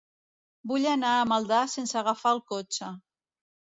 Vull anar a Maldà sense agafar el cotxe.